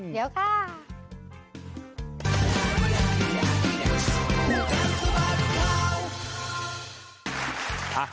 เดี๋ยวค่ะ